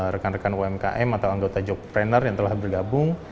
rekan rekan umkm atau anggota job planner yang telah bergabung